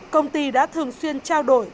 công ty đã thường xuyên trao đổi